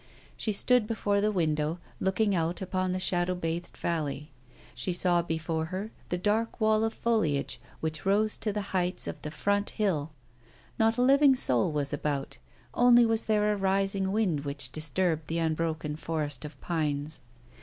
She stood before the window, looking out upon the shadow bathed valley. She saw before her the dark wall of foliage which rose to the heights of the Front Hill. Not a living soul was about, only was there a rising wind which disturbed the unbroken forest of pines.